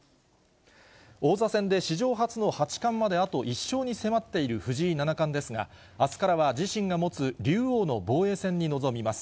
王座戦で史上初の八冠まであと１勝に迫っている藤井七冠ですが、あすからは自身が持つ竜王の防衛戦に臨みます。